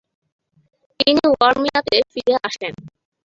তিনি ওয়ারমিয়াতে ফিরে আসেন।